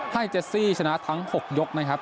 เจสซี่ชนะทั้ง๖ยกนะครับ